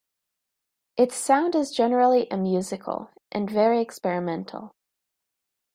Its sound is generally amusical, and very experimental.